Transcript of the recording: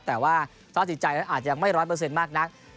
แต่ว่าต้นสิทธิใจอาจจะยังไม่ร้อนเปอร์เซ็นต์มากนัก